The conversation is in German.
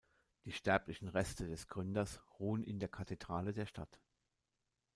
Die sterblichen Reste des Gründers ruhen in der Kathedrale der Stadt.